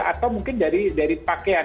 atau mungkin dari pakaian